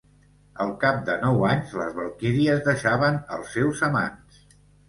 Al cap de nou anys, les valquíries deixaven els seus amants.